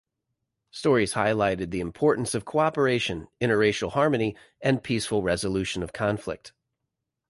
Stories highlighted the importance of cooperation, inter-racial harmony, and peaceful resolution of conflict.